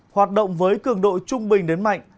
hoạt động với cường độ trung bình đến mạnh